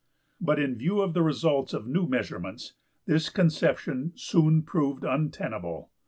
But in view of the results of new measurements this conception soon proved untenable.